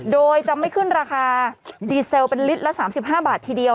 โดยจะไม่ขึ้นราคาดีเซลเป็นลิตรละ๓๕บาททีเดียว